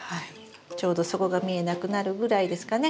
ちょうど底が見えなくなるぐらいですかね。